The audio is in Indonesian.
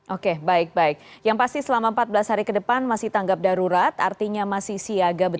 oke baik baik yang pasti selama empat belas hari ke depan masih tanggap darurat artinya masih siaga